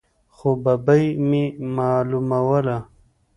خو ببۍ مې معلوموله.